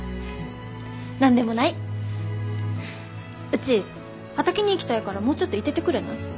うち畑に行きたいからもうちょっと居ててくれない？